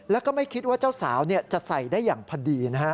แล้วก็ไม่คิดว่าเจ้าสาวจะใส่ได้อย่างพอดีนะฮะ